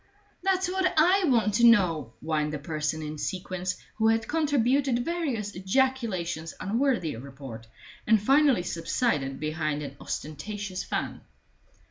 "That's what I want to know," whined the person in sequins, who had contributed various ejaculations unworthy of report, and finally subsided behind an ostentatious fan.